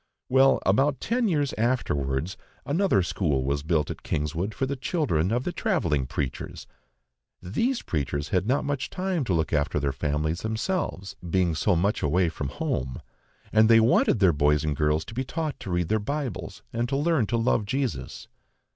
Well, about ten years afterwards, another school was built at Kingswood for the children of the travelling preachers. These preachers had not much time to look after their families themselves, being so much away from home, and they wanted their boys and girls to be taught to read their Bibles and to learn to love Jesus.